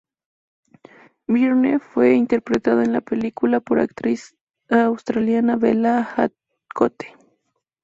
Byrne fue interpretada en la película por actriz australiana Bella Heathcote.